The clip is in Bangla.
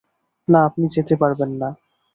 না, আপনি যেতে পারবেন না।